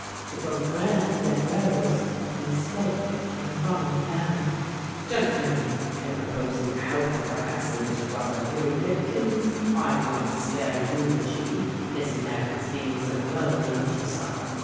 The Bully Grand then rose, and spoke in the following manner:— "Gentlemen, in proposing the health of our excellent brother Leary Lipkins, I might spare eulogy, his merits being so well known to us all.